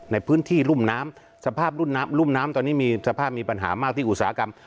ในพื้นที่รุ่นน้ำรุ่นน้ำตอนนี้มีปัญหามากที่อุตสาหกรรม